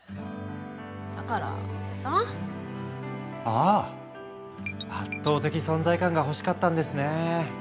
ああ圧倒的存在感が欲しかったんですねえ。